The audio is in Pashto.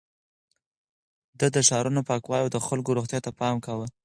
ده د ښارونو پاکوالي او د خلکو روغتيا ته پام کاوه.